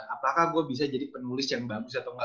apakah gue bisa jadi penulis yang bagus atau enggak